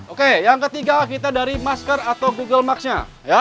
oke yang ketiga kita dari masker atau google marks nya